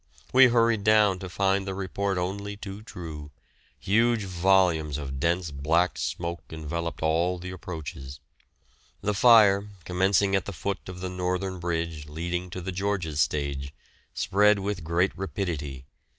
We hurried down to find the report only too true; huge volumes of dense black smoke enveloped all the approaches. The fire, commencing at the foot of the northern bridge leading to the George's stage, spread with great rapidity.